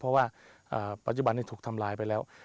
เพราะว่าปัจจุบันนี้ถูกทำลายไปแล้ว